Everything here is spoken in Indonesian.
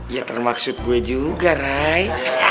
ya termaksud gue juga rai